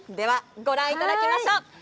ご覧いただきましょう。